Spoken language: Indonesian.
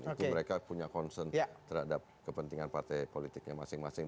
itu mereka punya concern terhadap kepentingan partai politiknya masing masing